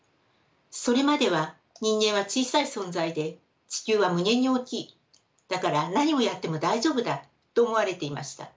それまでは人間は小さい存在で地球は無限に大きいだから何をやっても大丈夫だと思われていました。